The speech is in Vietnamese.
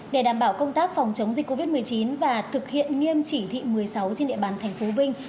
để đảm bảo công tác phòng chống dịch covid một mươi chín và thực hiện nghiêm chỉ thị một mươi sáu trên địa bàn tp vinh